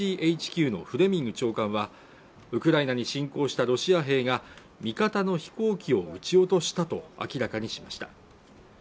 ＧＣＨＱのフレミング長官はウクライナに侵攻したロシア兵が味方の飛行機を撃ち落としたと明らかにしました